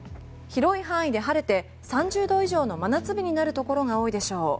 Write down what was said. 広い範囲で晴れて３０度以上の真夏日になるところが多いでしょう。